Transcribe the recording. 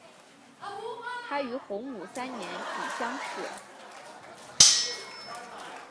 他于洪武三年举乡试。